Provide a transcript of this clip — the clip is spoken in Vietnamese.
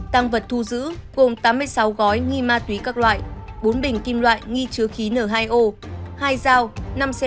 tăng vật thu giữ gồm tám mươi sáu gói nghi ma túy các loại bốn bình kim loại nghi chứa khí n hai o hai dao năm xe máy